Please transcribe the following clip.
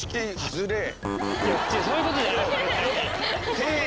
そういうことじゃないんです。